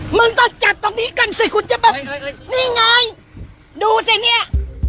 มึงต้องจับตรงนี้กันซินี่ไงดูซิเนี่ย